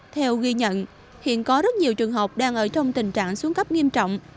theo ghi nhận hiện có rất nhiều trường học đang ở trong tình trạng xuống cấp nghiêm trọng